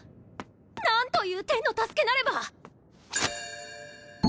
なんという天の助けなれば！